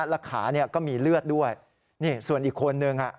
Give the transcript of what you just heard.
แล้วขาเนี่ยก็มีเลือดด้วยนี่ส่วนอีกคนนึงอ่ะ